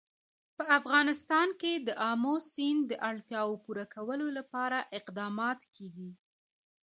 په افغانستان کې د آمو سیند د اړتیاوو پوره کولو لپاره اقدامات کېږي.